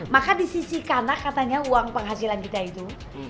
maka di sisi kanan katanya uang penghasilan kita itu